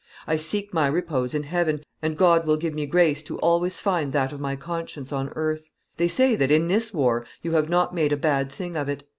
I seek my repose in heaven, and God will give me grace to always find that of my conscience on earth. They say that in this war you have, not made a bad thing of it.